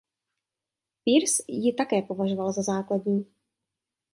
Peirce ji také považoval za základní.